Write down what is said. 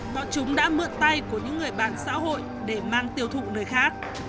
bọn chúng đã mượn tay của những người bàn xã hội để mang tiêu thụ nơi khác